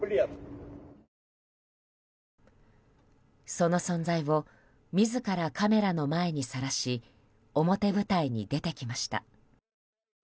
その存在を自らカメラの前にさらし表舞台に出てきました。